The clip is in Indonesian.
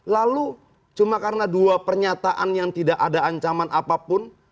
lalu cuma karena dua pernyataan yang tidak ada ancaman apapun